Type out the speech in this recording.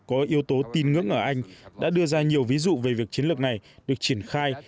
có yếu tố tin ngưỡng ở anh đã đưa ra nhiều ví dụ về việc chiến lược này được triển khai